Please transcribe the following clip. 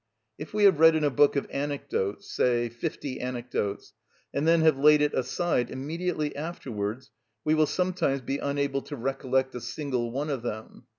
If we have read in a book of anecdotes say fifty anecdotes, and then have laid it aside, immediately afterwards we will sometimes be unable to recollect a single one of them.